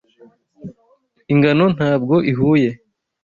Ingano ntabwo ihuye.